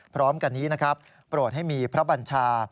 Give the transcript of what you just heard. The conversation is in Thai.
พร้อมกันนี้นะครับโปรดให้มีพระบัญชา